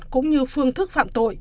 cũng như phương thức phạm tội